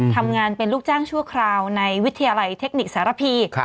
ทำงานเป็นลูกจ้างชั่วคราวในวิทยาลัยเทคนิคสารพี